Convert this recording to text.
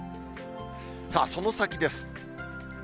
さあその先です。